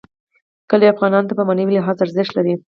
کلي افغانانو ته په معنوي لحاظ ارزښت لري.